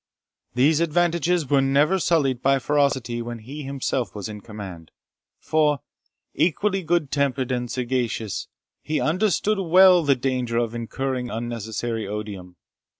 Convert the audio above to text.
These advantages were never sullied by ferocity when he himself was in command; for, equally good tempered and sagacious, he understood well the danger of incurring unnecessary odium.